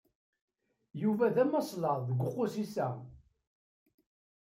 Yuba d amaslaḍ deg uqusis-a.